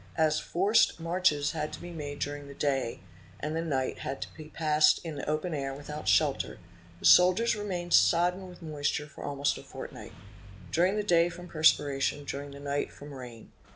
As forced marches had to be made during the day and the night had to be passed in the 3 'op en air without shelter, the soldiers remained sodden with moisture for bout a fortnight—during the day from perspiration, during the night ~from rain.